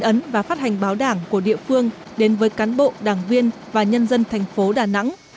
ấn và phát hành báo đảng của địa phương đến với cán bộ đảng viên và nhân dân thành phố đà nẵng